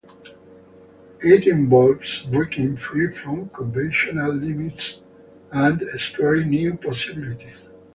It involves breaking free from conventional limits and exploring new possibilities.